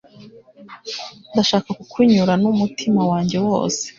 Ndashaka kukunyura n’umutima wanjye wose